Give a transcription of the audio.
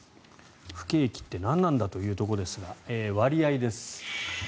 不景気って何なんだというところですが、割合です。